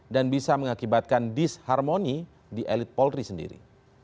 dan bisa mengakibatkan disharmony di elit polri sendiri